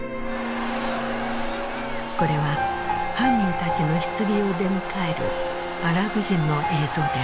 これは犯人たちの棺を出迎えるアラブ人の映像である。